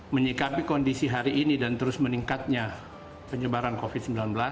menyikapi kondisi hari ini dan terus meningkatnya penyebaran covid sembilan belas